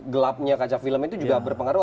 gelapnya kaca film itu juga berpengaruh